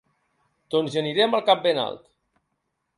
Doncs hi aniré amb el cap ben alt.